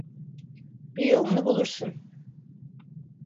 Bir yolunu bulursun.